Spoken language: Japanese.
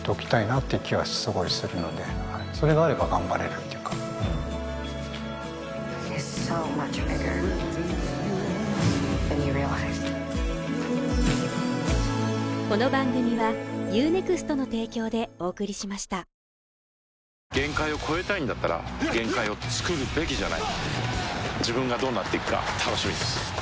それがあれば頑張れるっていうかうん限界を越えたいんだったら限界をつくるべきじゃない自分がどうなっていくか楽しみです